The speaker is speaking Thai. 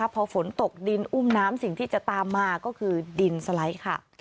พอฝนตกดินอุ้มน้ำสิ่งที่จะตามมาก็คือดินสไลด์ค่ะ